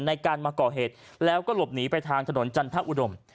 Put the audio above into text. ในการมาก่อเหตุแล้วก็หลบหนีไปทางถนนจันทอุดม